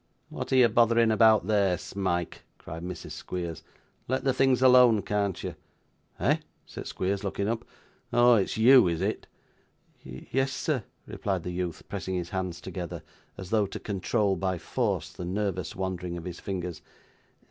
'What are you bothering about there, Smike?' cried Mrs. Squeers; 'let the things alone, can't you?' 'Eh!' said Squeers, looking up. 'Oh! it's you, is it?' 'Yes, sir,' replied the youth, pressing his hands together, as though to control, by force, the nervous wandering of his fingers.